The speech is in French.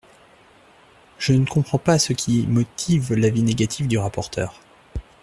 Je ne comprends pas ce qui motive l’avis négatif du rapporteur.